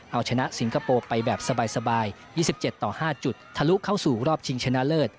เอาชนะสิงคโปร์ไปแบบสบาย๒๗ต่อ๕จุดทะลุเข้าสู่รอบชิงชนะเลิศ